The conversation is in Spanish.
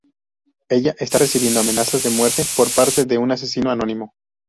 Ella está recibiendo amenazas de muerte por parte de un asesino anónimo.